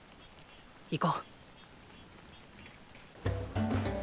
行こう。